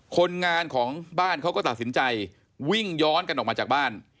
คนงานของบ้านเขาก็ตัดสินใจวิ่งย้อนกันออกมาจากบ้าน